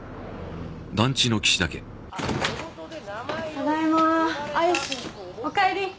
ただいまアイスおかえり